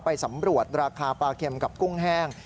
ไปสำรวจราคาปลาเค็มกับกุ้งแห้ง